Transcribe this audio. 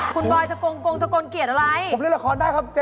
คุณบอยทะโกงกงทะโกนเกลียดอะไรผมเล่นละครได้ครับเจ๊